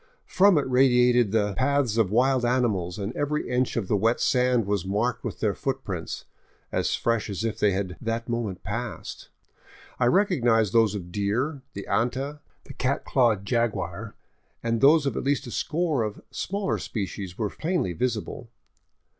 From it radiated the 591 VAGABONDING DOWN THE ANDES paths of wild animals, and every inch of the wet sand was marked with their footprints, as fresh as if they had that moment passed. I recognized those of the deer, the anta, the cat clawed jaguar; and those of at least a score of smaller species were plainly visible.